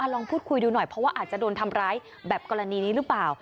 ลองพูดคุยดูหน่อยเพราะว่าอาจจะโดนทำร้ายแบบกรณีนี้หรือเปล่า